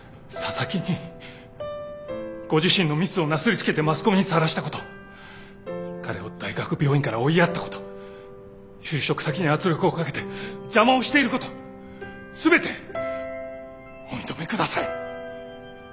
佐々木にご自身のミスをなすりつけてマスコミにさらしたこと彼を大学病院から追いやったこと就職先に圧力をかけて邪魔をしていること全てお認め下さい。